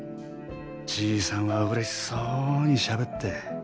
じいさんはうれしそうにしゃべって。